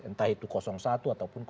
entah itu satu ataupun dua